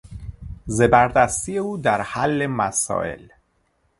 زبردستی او در حل مسائل